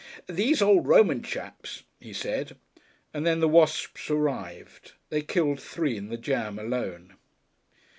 "These old Roman chaps," he said, and then the wasps arrived. They killed three in the jam alone.